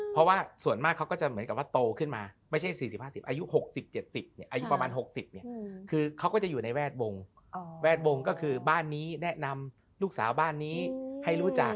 เพราะว่าส่วนมากเขาก็จะเหมือนกับว่าโตขึ้นมาไม่ใช่๔๐๕๐อายุ๖๐๗๐อายุประมาณ๖๐เนี่ยคือเขาก็จะอยู่ในแวดวงแวดวงก็คือบ้านนี้แนะนำลูกสาวบ้านนี้ให้รู้จัก